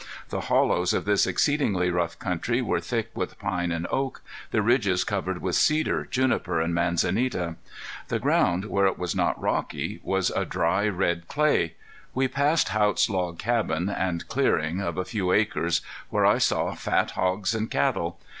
The hollows of this exceedingly rough country were thick with pine and oak, the ridges covered with cedar, juniper, and manzanita. The ground, where it was not rocky, was a dry, red clay. We passed Haught's log cabin and clearing of a few acres, where I saw fat hogs and cattle.